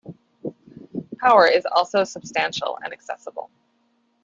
Power is also substantial and accessible.